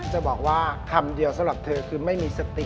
จะบอกว่าคำเดียวสำหรับเธอคือไม่มีสติ